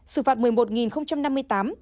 xử phạt một mươi một năm mươi tám